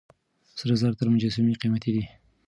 سره زر تر مجسمې قيمتي دي.